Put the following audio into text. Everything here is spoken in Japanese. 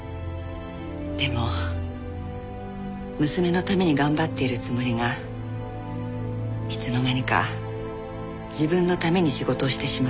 でも娘のために頑張っているつもりがいつの間にか自分のために仕事をしてしまって。